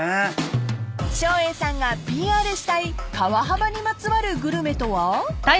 ［照英さんがＰＲしたい川幅にまつわるグルメとは］